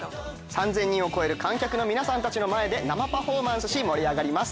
３０００人を超える観客の前で生パフォーマンスし盛り上がります。